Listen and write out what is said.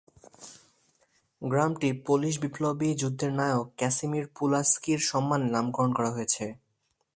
গ্রামটি পোলিশ বিপ্লবী যুদ্ধের নায়ক ক্যাসিমির পুলাস্কির সম্মানে নামকরণ করা হয়েছে।